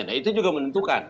nah itu juga menentukan